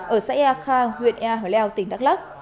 ở xe ea khai huyện ea hở leo tỉnh đắk nông